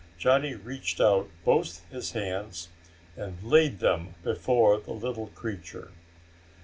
Johnny reached out both his hands and laid them before the little creature.